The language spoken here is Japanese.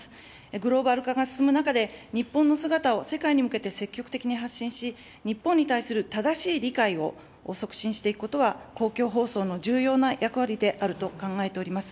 グローバル化が進む中で、日本の姿を世界に向けて積極的に発信し、日本に対する正しい理解を促進していくことは、公共放送の重要な役割であると考えております。